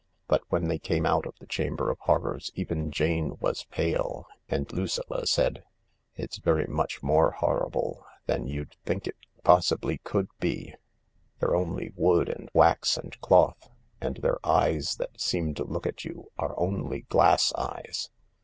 But when they came out of the Chamber of Horrors even Jane was pale, and Lucilla said :" It's very much more horrible than you'd think it possibly could be. They're only wood and wax and cloth, and their eyes that seem to look at you are only glass eyes.